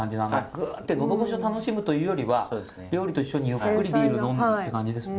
グッて喉越しを楽しむというよりは料理と一緒にゆっくりビール飲むって感じですね。